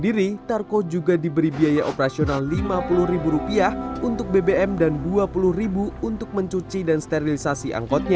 diri tarko juga diberi biaya operasional rp lima puluh untuk bbm dan rp dua puluh untuk mencuci dan sterilisasi angkotnya